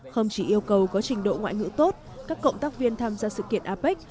không chỉ yêu cầu có trình độ ngoại ngữ tốt các cộng tác viên tham gia sự kiện apec